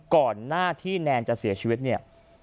ก่อนหน้าที่แนนจะเสียชีวิตเนี่ย